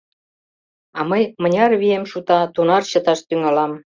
— А мый мыняр вием шута, тунар чыташ тӱҥалам.